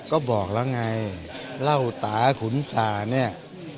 ก็บอกแล้วไงเล่าตาขุนสาเนี่ย